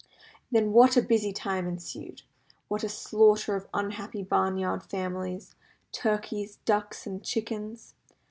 Then what a busy time ensued! What a slaughter of unhappy barnyard families turkeys, ducks, and chickens!